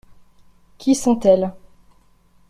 Qui sont-elles ?